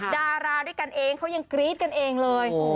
ดาราด้วยกันเองเขายังกรี๊ดกันเองเลย